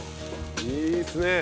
いいですね。